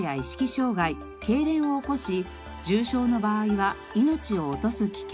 障害けいれんを起こし重症の場合は命を落とす危険も。